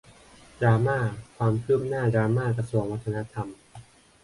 ดราม่า ความคืบหนั้าดราม่ากระทรวงวัฒนธรรม